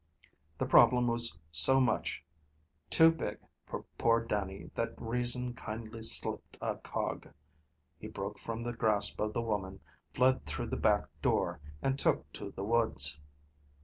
The problem was so much too big for poor Dannie that reason kindly slipped a cog. He broke from the grasp of the woman, fled through the back door, and took to the woods.